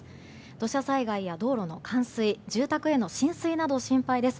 土砂災害や道路の冠水住宅への浸水などが心配です。